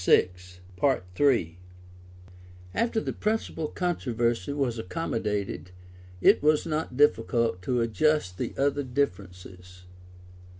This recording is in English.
21.] After the principal controversy was accommodated, it was not difficult to adjust the other differences.